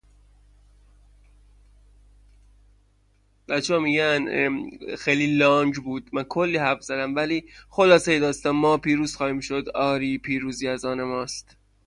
The arts department puts on three high quality performances for the public every year.